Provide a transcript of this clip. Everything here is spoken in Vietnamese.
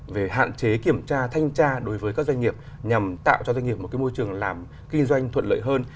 về hạn chế kiểm tra thanh tra đối với các doanh nghiệp nhằm tạo cho doanh nghiệp một môi trường làm kinh doanh thuận lợi hơn